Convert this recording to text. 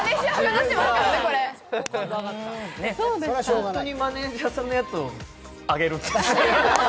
本当にマネージャーさんのやつをあげるんですね。